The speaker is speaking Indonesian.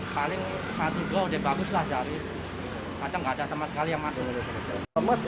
paling satu dua udah bagus lah dari kadang nggak ada sama sekali yang masuk